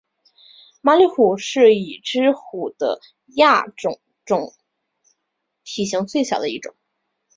巴厘虎是已知虎的亚种中体型最小的一种。